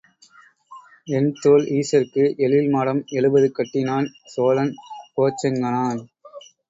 எண் தோள் ஈசற்கு எழில் மாடம் எழுபது கட்டினான், சோழன் கோச்செங்கணான்.